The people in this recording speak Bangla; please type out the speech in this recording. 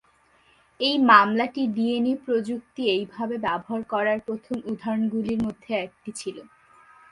এই মামলাটি ডিএনএ প্রযুক্তি এইভাবে ব্যবহার করার প্রথম উদাহরণগুলির মধ্যে একটি ছিল।